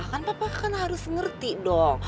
kan papa kan harus ngerti dong